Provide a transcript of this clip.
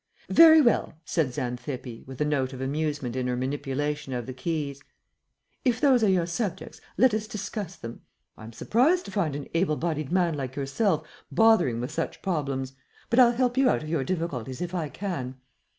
"Very well," said Xanthippe, with a note of amusement in her manipulation of the keys. "If those are your subjects, let us discuss them. I am surprised to find an able bodied man like yourself bothering with such problems, but I'll help you out of your difficulties if I can.